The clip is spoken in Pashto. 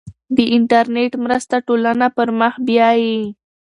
د انټرنیټ مرسته ټولنه پرمخ بیايي.